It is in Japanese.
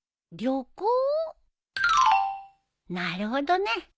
なるほどね。